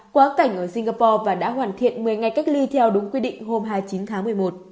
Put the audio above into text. quá cảnh ở singapore và đã hoàn thiện một mươi ngày cách ly theo đúng quy định hôm hai mươi chín tháng một mươi một